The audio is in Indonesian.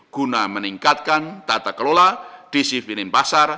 guna meningkatkan tata kelola di sifirin pasar